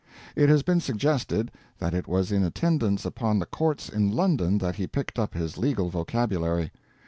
It has been suggested that it was in attendance upon the courts in London that he picked up his legal vocabulary.